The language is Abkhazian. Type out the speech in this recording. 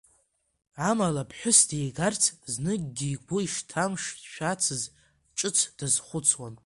Амала ԥҳәысс дигарц зныкгьы игәы ишҭамшәацыз ҿыц дазхәыцуан.